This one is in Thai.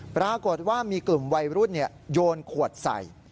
ปรากฏว่ามีกลุ่มวัยรุ่นโยนขวดใส่